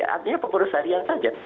artinya pekerjaan saja